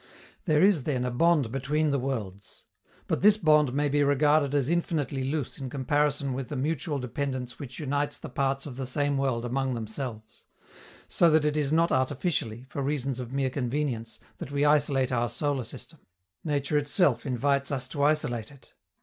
There is, then, a bond between the worlds. But this bond may be regarded as infinitely loose in comparison with the mutual dependence which unites the parts of the same world among themselves; so that it is not artificially, for reasons of mere convenience, that we isolate our solar system: nature itself invites us to isolate it.